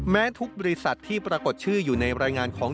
แม้ทุกบริษัทที่ปรากฏชื่ออยู่ในรายงานของ